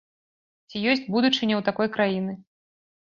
Ці ёсць будучыня ў такой краіны?